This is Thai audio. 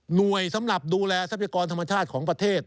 สำหรับดูแลทรัพยากรธรรมชาติของประเทศ